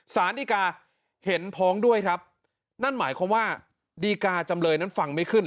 สารดีกาเห็นพ้องด้วยครับนั่นหมายความว่าดีกาจำเลยนั้นฟังไม่ขึ้น